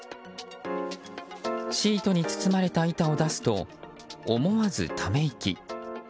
シートに包まれた板を出すと思わずため息。